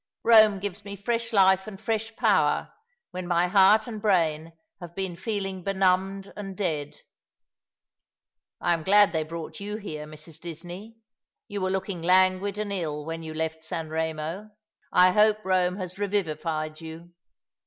Eome gives me fresh life and fresh power when my heart and brain have been feeling benumbed and dead. I am glad they brought you here, Mrs. Disney. You were looking languid and ill when you left San Eemo. I hope Eome has revivified you."